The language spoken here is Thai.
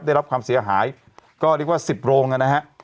ได้รับความเสียหายก็เรียกว่า๑๐โรงนะฮะ